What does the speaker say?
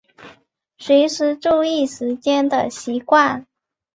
随时注意时间的习惯